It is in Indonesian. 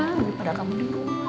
ya kan daripada kamu dulu